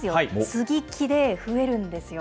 接ぎ木で増えるんですよ。